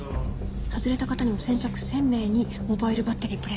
「外れた方にも先着１０００名にモバイルバッテリープレゼント」